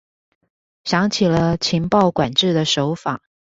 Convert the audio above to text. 想起了情報管制的手法